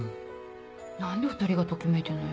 何で２人がときめいてんのよ。